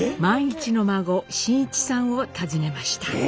萬一の孫伸一さんを訪ねました。